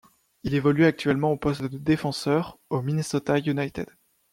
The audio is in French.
Il évolue actuellement au poste de défenseur au Minnesota United.